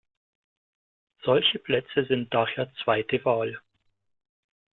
Solche Plätze sind daher ‚zweite Wahl‘.